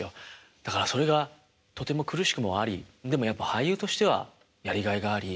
だからそれがとても苦しくもありでもやっぱ俳優としてはやりがいがあり